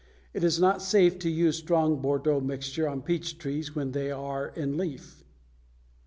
It is not safe to use strong Bordeaux mixture on peach trees when they are in leaf.